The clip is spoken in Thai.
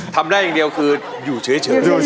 ทำได้อย่างเดียวคืออยู่เฉย